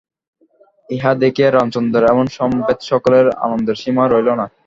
ইহা দেখিয়া রামচন্দ্রের এবং সমবেত সকলের আনন্দের সীমা রইল না।